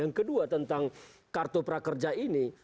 yang kedua tentang kartu prakerja ini